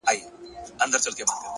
هره هڅه بې پایلې نه وي؛